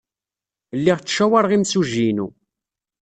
Lliɣ ttcawaṛeɣ imsujji-inu.